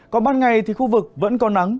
còn ban ngày thì khu vực vẫn có nắng